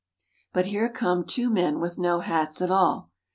But here come two men with no hats at all.